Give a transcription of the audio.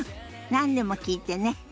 何でも聞いてね。